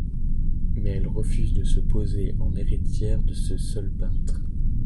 Mais elle refuse de se poser en héritière de ce seul peintre.